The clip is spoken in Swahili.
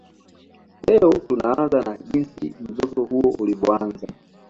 Leo tunaanza na jinsi mzozo huo ulivyoanza